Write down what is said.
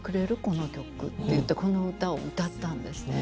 この曲」って言ってこの歌を歌ったんですね。